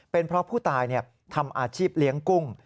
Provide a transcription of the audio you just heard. เป็นเพราะผู้ตายทำอาชีพเลี้ยงกุ้ง